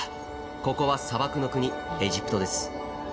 ここは砂漠の国、エジプトです。